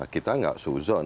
kita tidak seuzon